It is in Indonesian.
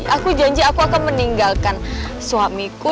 aku janji aku akan meninggalkan suamiku